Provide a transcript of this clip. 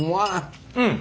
うん。